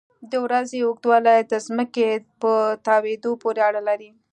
د ورځې اوږدوالی د ځمکې په تاوېدو پورې اړه لري.